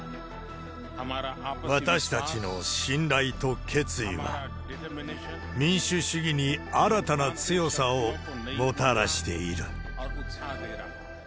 私たちの信頼と決意は、民主主義に新たな強さをもたらしている。